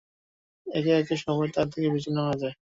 একে একে সবাই তার থেকে বিচ্ছিন্ন হয়ে যায়।